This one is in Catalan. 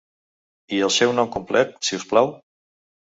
I el seu nom complet si us plau?